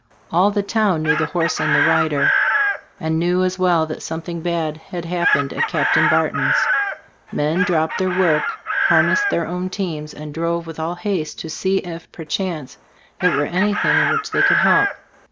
All the town knew the horse and the rider, and knew as well that something bad had happened at Cap tain Barton's. Men dropped their work, harnessed their own teams and drove with all haste to see if, per chance, it were anything in which they could help.